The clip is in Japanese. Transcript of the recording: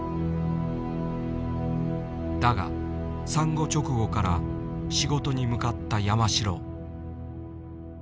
だが産後直後から仕事に向かった山城。